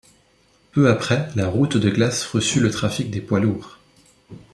Peu après, la route de glace reçut le trafic des poids lourds.